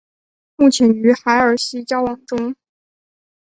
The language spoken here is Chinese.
目前与海尔希交往中。